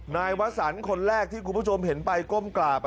นายวศรคนแรกที่กูผู้ชมเห็นปลายก้มกราบ